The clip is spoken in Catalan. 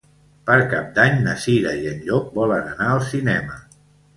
Per Cap d'Any na Cira i en Llop volen anar al cinema.